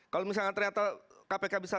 kalau misalnya ternyata kpk bisa